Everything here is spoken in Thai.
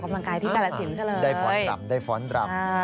เมื่อวานไปออกกำลังกายที่กราศิลป์ใช่เลยได้ฝนดรำได้ฝนดรำ